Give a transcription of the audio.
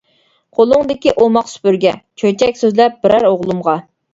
قولۇڭدىكى ئوماق سۈپۈرگە، چۆچەك سۆزلەپ بىرەر ئوغلۇمغا.